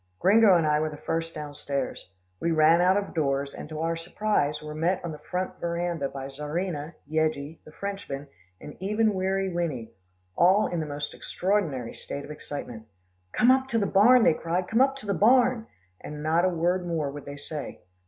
Gringo and I were the first downstairs. We ran out of doors, and to our surprise, were met on the front veranda by Czarina, Yeggie, the Frenchmen, and even Weary Winnie, all in the most extraordinary state of excitement. "Come up to the barn," they cried, "come up to the barn," and not a word more would they say.